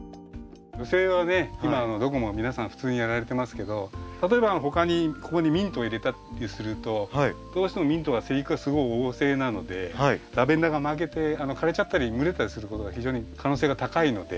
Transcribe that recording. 今どこも皆さん普通にやられてますけど例えば他にここにミントを入れたりするとどうしてもミントは生育がすごい旺盛なのでラベンダーが負けて枯れちゃったり蒸れたりすることが非常に可能性が高いので。